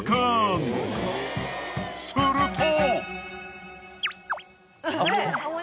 ［すると］